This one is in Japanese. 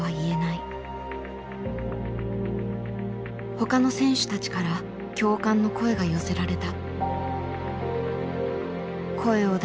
ほかの選手たちから共感の声が寄せられた。